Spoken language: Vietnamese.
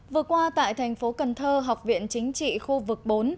vừa qua tại thành phố cần thơ học viện chính trị khu vực bốn